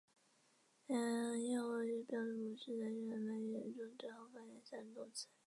原印欧语的标准模式在日耳曼语言中最好的反映为三类动词。